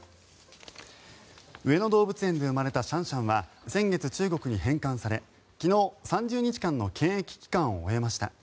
上野動物園で生まれたシャンシャンは先月、中国に返還され昨日、３０日間の検疫期間を終えました。